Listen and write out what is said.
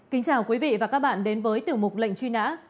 kính chào quý vị và các bạn đến với tiểu mục lệnh truy nã